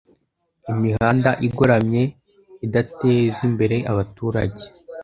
imihanda igoramye idatezimbere abaturage